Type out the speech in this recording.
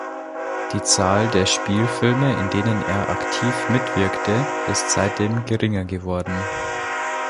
Die Zahl der Spielfilme, in denen er aktiv mitwirkte, ist seitdem geringer geworden.